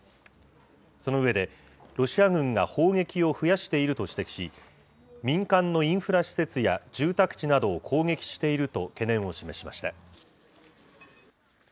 その上で、ロシア軍が砲撃を増やしていると指摘し、民間のインフラ施設や住宅地などを攻撃していると懸念を示しました。